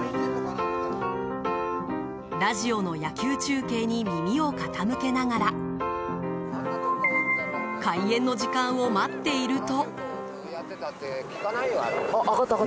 ラジオの野球中継に耳を傾けながら開演の時間を待っていると。